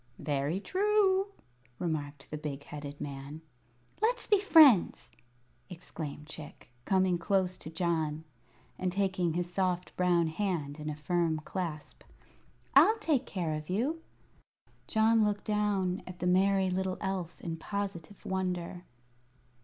"Very true," remarked the big headed man. "Let's be friends!" exclaimed Chick, coming close to John and taking his soft brown hand in a firm clasp. "I'll take care of you." John looked down at the merry little elf in positive wonder.